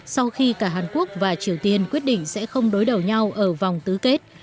sau khi cả hàn quốc và triều tiên quyết định sẽ không đối đầu nhau ở vòng tứ kết